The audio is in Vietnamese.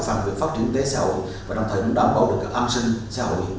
phát triển kinh tế xã hội và đồng thời cũng đảm bảo được các an sinh xã hội